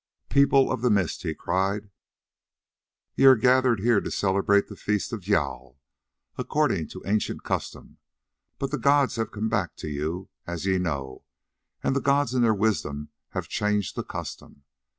"People of the Mist," he cried, "ye are gathered here to celebrate the feast of Jâl, according to ancient custom, but the gods have come back to you, as ye know, and the gods in their wisdom have changed the custom.